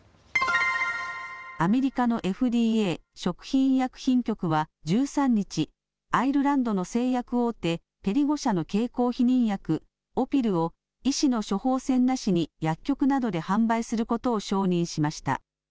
アメリカのＦＤＡ・食品医薬品局は１３日、アイルランドの製薬大手、ペリゴ社の経口避妊薬、オピルを医師の処方箋なしに薬局などで販売することを承認しました。